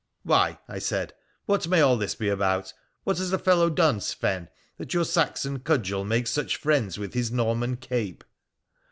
' Why,' I said, ' what may all this be about ? What has the fellow done, Sven, that your Saxon cudgel makes such friends with his Norman cape